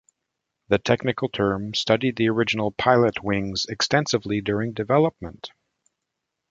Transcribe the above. The technical team studied the original "Pilotwings" extensively during development.